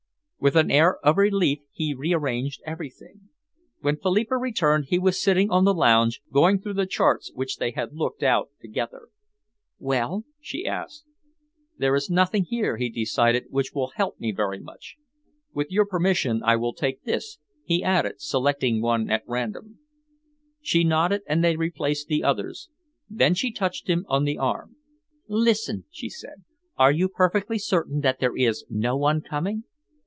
With an air of relief he rearranged everything. When Philippa returned, he was sitting on the lounge, going through the charts which they had looked out together. "Well?" she asked. "There is nothing here," he decided, "which will help me very much. With your permission I will take this," he added, selecting one at random. She nodded and they replaced the others. Then she touched him on the arm. "Listen," she said, "are you perfectly certain that there is no one coming?"